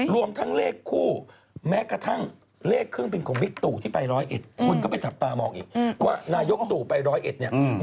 รวมทั้งเลขคู่แม้กระทั่งเลขเครื่องเป็นของวิคตู่ที่ไปร้อยเอ็ด